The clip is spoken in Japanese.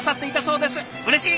うれしい！